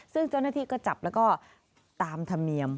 ซึ่งเจ้าหน้าที่ก็จับแล้วก็ตามธรรมเนียม